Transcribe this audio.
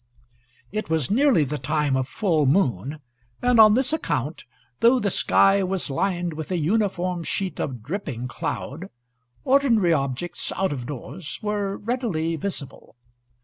It was nearly the time of full moon, and on this account, though the sky was lined with a uniform sheet of dripping cloud, ordinary objects out of doors were readily visible.